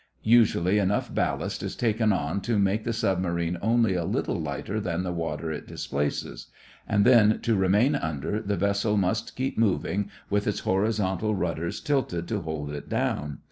Usually enough ballast is taken on to make the submarine only a little lighter than the water it displaces; and then to remain under, the vessel must keep moving, with its horizontal rudders tilted to hold it down.